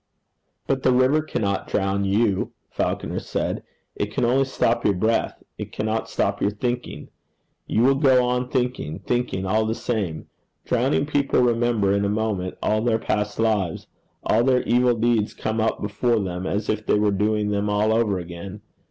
'But the river cannot drown you,' Falconer said. 'It can only stop your breath. It cannot stop your thinking. You will go on thinking, thinking, all the same. Drowning people remember in a moment all their past lives. All their evil deeds come up before them, as if they were doing them all over again.